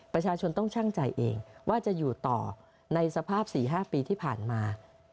ประชาชนต้องชั่งใจเองว่าจะอยู่ต่อในสภาพ๔๕ปีที่ผ่านมา